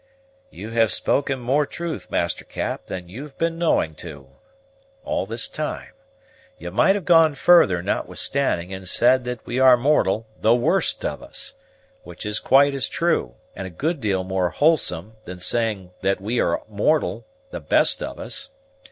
"You have spoken more truth, Master Cap, than you've been knowing to, all this time. You might have gone further, notwithstanding, and said that we are mortal, the worst of us; which is quite as true, and a good deal more wholesome, than saying that we are mortal, the best of us.